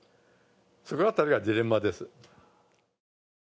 その辺りがジレンマです。